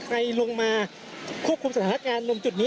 คุณภูริพัฒน์บุญนิน